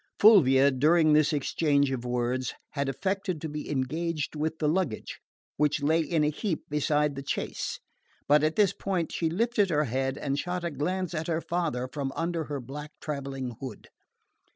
Fulvia, during this exchange of words, had affected to be engaged with the luggage, which lay in a heap beside the chaise; but at this point she lifted her head and shot a glance at her father from under her black travelling hood.